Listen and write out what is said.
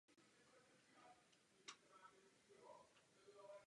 Mlýn je bez památkové ochrany.